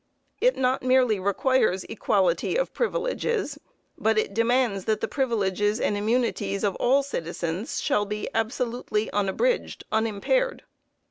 It not merely requires equality of privileges, but it demands that the privileges and immunities of all citizens shall be absolutely unabridged, unimpaired.